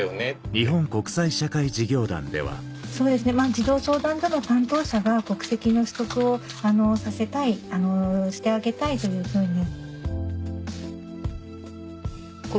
児童相談所の担当者が国籍の取得をさせたいしてあげたいというふうに。